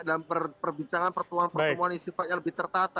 dalam perbincangan pertemuan pertemuan yang sifatnya lebih tertata